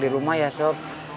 di rumah ya sob